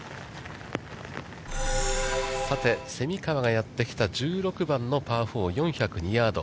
さて、蝉川がやってきた１６番のパー４、４０２ヤード。